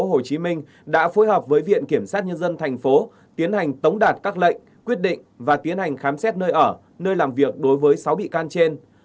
hồ chí minh đã phối hợp với viện kiểm sát nhân dân thành phố tiến hành tống đạt các lệnh quyết định và tiến hành khám xét nơi ở nơi làm việc đối với sáu bị can trên